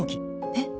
えっ！